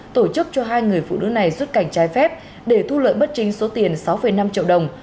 tổ chức cho hai người phụ nữ này xuất cảnh trái phép để thu lợi bất chính số tiền sáu năm triệu đồng